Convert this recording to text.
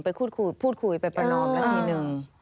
ไปพูดคุยไปประนอมละทีหนึ่ง